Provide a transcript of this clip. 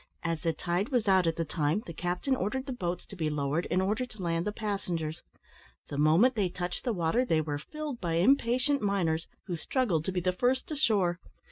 As the tide was out at the time, the captain ordered the boats to be lowered, in order to land the passengers. The moment they touched the water they were filled by impatient miners, who struggled to be first ashore.